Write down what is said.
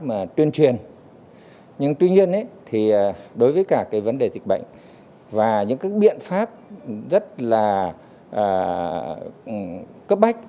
có những biện pháp tuyên truyền nhưng tuy nhiên đối với cả vấn đề dịch bệnh và những biện pháp rất là cấp bách